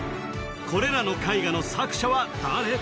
これらの絵画の作者は誰？